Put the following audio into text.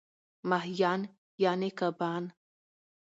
ماهیان √ کبان